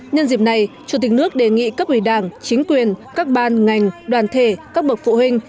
nhân dịp này chủ tịch nước đề nghị cấp ủy đảng chính quyền các ban ngành đoàn thể các bậc phụ huynh